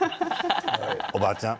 おばあちゃん